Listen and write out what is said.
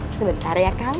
sebentar ya kang